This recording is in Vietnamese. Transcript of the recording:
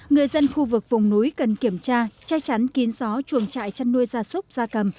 người dân khu vực vùng núi cần kiểm tra che chắn kín gió chuồng trại chăn nuôi gia súc gia cầm